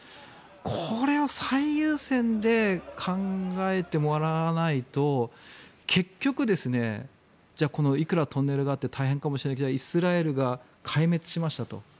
これは最優先で考えてもらわないと結局、いくらトンネルがあって大変かもしれないけどイスラエルが壊滅しましたと。